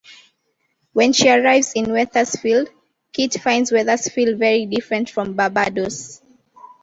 When she arrives in Wethersfield, Kit finds Wethersfield very different from Barbados.